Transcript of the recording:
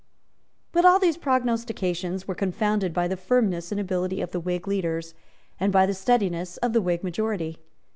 But all these prognostications were confounded by the firmness and ability of the Whig leaders, and by the steadiness of the Whig majority.